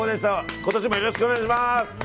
今年もよろしくお願いします。